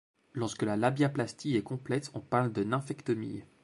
Lorsque la labiaplastie est complète, on parle de nymphectomie.